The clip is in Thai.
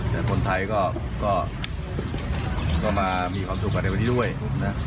แต่คนไทยก็มามีความสุขกันในวันนี้ด้วยนะ